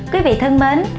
quý vị thân mến